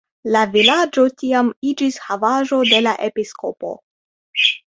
La vilaĝo tiam iĝis havaĵo de la episkopo.